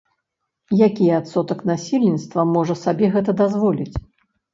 Які адсотак насельніцтва можа сабе гэта дазволіць?